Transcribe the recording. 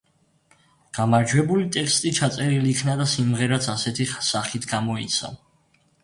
გამარჯვებული ტექსტი ჩაწერილი იქნა და სიმღერაც ასეთი სახით გამოიცა.